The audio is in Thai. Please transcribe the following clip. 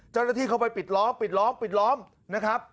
เจ้าหน้าที่เข้าไปปิดล้อมปิดล้อมปิดล้อมนะครับ